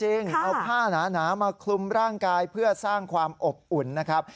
เอาผ้าหนามาคลุมร่างกายเพื่อสร้างความอบอุ่นนะครับ